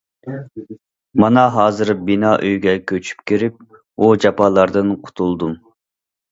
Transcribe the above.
مانا ھازىر بىنا ئۆيگە كۆچۈپ كىرىپ، ئۇ جاپالاردىن قۇتۇلدۇم.